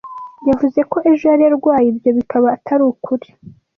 Yavuze ko ejo yari arwaye, ibyo bikaba atari ukuri.